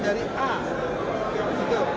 artinya kelahiran atau apa